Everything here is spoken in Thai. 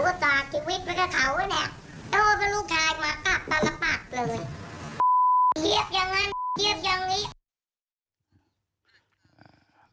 เชียบอย่างนั้นเชียบอย่างนี้